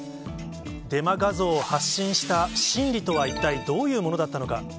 デマ画像を発信した心理とは、いったいどういうものだったのか。